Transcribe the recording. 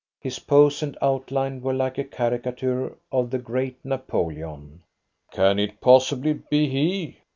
His pose and outline were like a caricature of the great Napoleon. "Can it possibly be he?"